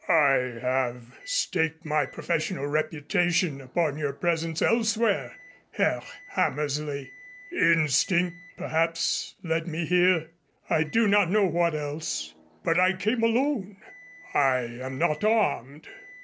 "I have staked my professional reputation upon your presence elsewhere, Herr Hammersley. Instinct, perhaps, led me here. I do not know what else. But I came alone. I am not armed."